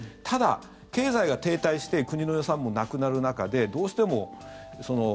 ただ、経済が停滞して国の予算もなくなる中で